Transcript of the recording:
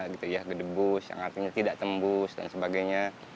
gitu ya ke debus yang artinya tidak tembus dan sebagainya